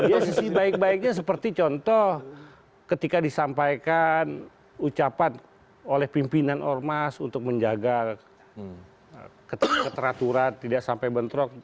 ya sisi baik baiknya seperti contoh ketika disampaikan ucapan oleh pimpinan ormas untuk menjaga keteraturan tidak sampai bentrok